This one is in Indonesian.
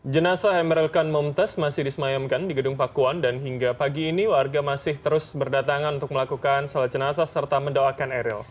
jenasa emeril kan mumtaz masih disemayamkan di gedung pakuan dan hingga pagi ini warga masih terus berdatangan untuk melakukan salat jenazah serta mendoakan eril